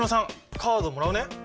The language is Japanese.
カードもらうね。